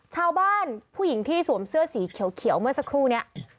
ชาวบ้านผู้หญิงที่สวมเสื้อสีเขียวเมื่อสักครู่นี้